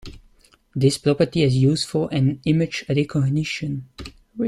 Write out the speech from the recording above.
This property is useful in image recognition.